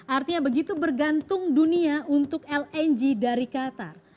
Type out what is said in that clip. artinya begitu bergantung dunia untuk lng dari qatar